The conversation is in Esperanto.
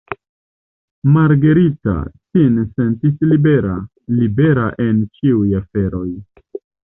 Margarita sin sentis libera, libera en ĉiuj aferoj.